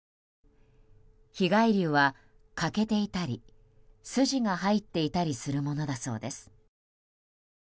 被害粒は欠けていたり筋が入っていたりするものだそうです。